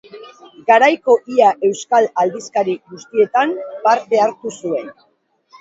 Garaiko ia euskal aldizkari guztietan parte hartu zuen.